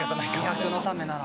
美白のためなら。